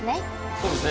そうですね。